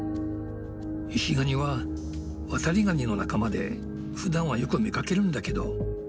イシガニはワタリガニの仲間でふだんはよく見かけるんだけど。